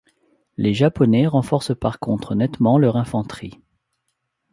Les Japonais renforcent par contre nettement leur infanterie.